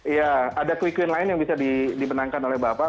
iya ada quick win line yang bisa dibenangkan oleh bapak